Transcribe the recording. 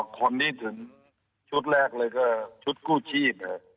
อ๋อคนนี้ถึงชุดแรกเลยก็ชุดกู้ชีพเลย